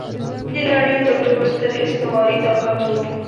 د نړۍ تر ټولو ستر استعماري طاقت و.